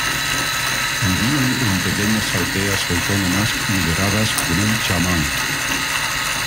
Vivían en pequeñas aldeas autónomas lideradas por un chamán.